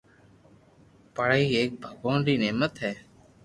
پڙائي ايڪ ڀگوان ري نعمت ھي